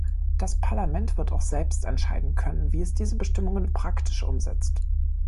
Das Parlament wird auch selbst entscheiden können, wie es diese Bestimmungen praktisch umsetzt.